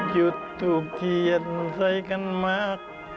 จุดทูบเทียนใส่กันมาก